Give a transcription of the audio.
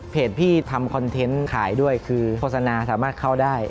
พี่ทำคอนเทนต์ขายด้วยคือโฆษณาสามารถเข้าได้